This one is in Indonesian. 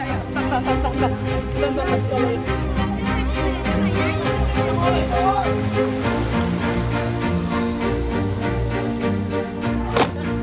jalan sempit kemudian timbunannya tinggi